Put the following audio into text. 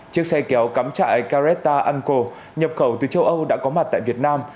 chiếc xe kéo cắm trại caretta uncle nhập khẩu từ châu âu đã có mặt tại việt nam